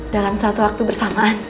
dalam satu waktu bersamaan